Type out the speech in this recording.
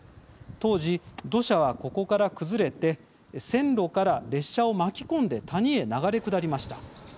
当時、土砂はここから崩れて線路から列車を巻き込んで谷へ流れ下りました。